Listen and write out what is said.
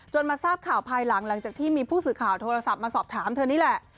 มาทราบข่าวภายหลังจากที่มีผู้สื่อข่าวโทรศัพท์มาสอบถามเธอนี่แหละ